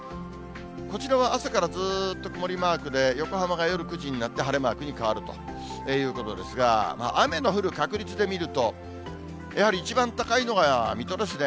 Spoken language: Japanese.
こちらは朝からずっと曇りマークで、横浜が夜９時になって晴れマークに変わるということですが、雨の降る確率で見ると、やはり一番高いのが水戸ですね。